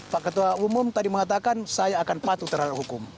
pak ketua umum tadi mengatakan saya akan patuh terhadap hukum